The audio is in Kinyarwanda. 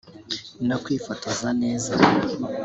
no kwifotoza neza